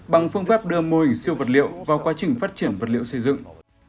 bằng phương pháp đưa mô hình siêu vật liệu vào quá trình phát triển vật liệu xây dựng